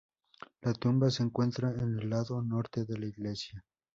La tumba se encuentra en el lado norte de la iglesia.